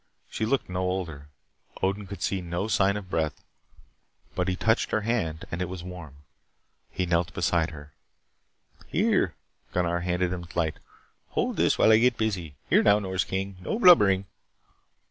She looked no older. Odin could see no sign of breath. But he touched her hand and it was warm. He knelt beside her. "Here," Gunnar handed him the light. "Hold this while I get busy. Here now, Nors King. No blubbering."